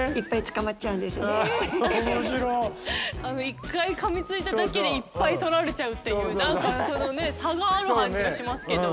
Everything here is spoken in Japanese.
一回かみついただけでいっぱいとられちゃうっていう何かそのね差がある感じがしますけど。